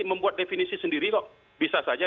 membuat definisi sendiri kok bisa saja